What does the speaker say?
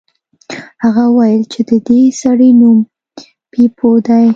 هغه وویل چې د دې سړي نوم بیپو دی.